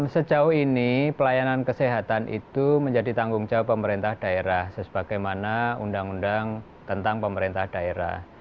sejauh ini pelayanan kesehatan itu menjadi tanggung jawab pemerintah daerah sebagaimana undang undang tentang pemerintah daerah